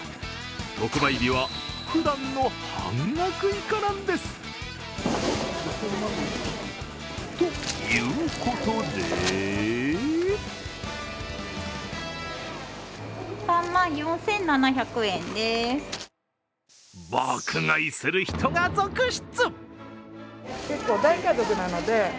特売日はふだんの半額以下なんです。ということで爆買いする人が続出。